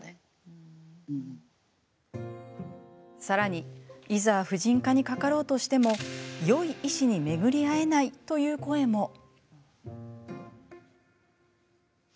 さらに、いざ婦人科にかかろうとしてもよい医師に巡り合えないという声も。